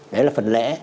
đấy là phần lễ